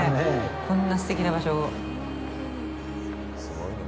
こんなすてきな場所を。